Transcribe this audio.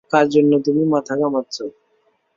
কার জন্য তুমি মাথা ঘামাচ্ছো?